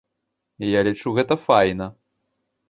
Я лічу, гэта файна.